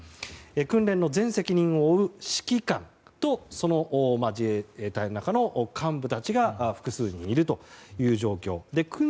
訓練の全責任を負う指揮官と自衛隊の中の幹部たちが複数いるという状況。